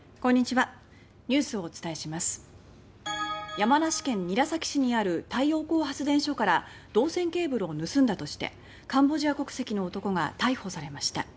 山梨県韮崎市にある太陽光発電所から銅線ケーブルを盗んだとしてカンボジア国籍の男が逮捕されました。